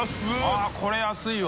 あぁこれ安いわ。